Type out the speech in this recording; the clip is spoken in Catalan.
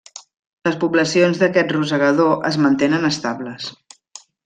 Les poblacions d'aquest rosegador es mantenen estables.